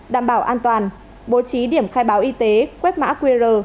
đảm bảo an toàn bố trí điểm khai báo y tế quét mã qr